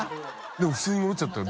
でも普通に戻っちゃったよ